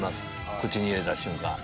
口に入れた瞬間。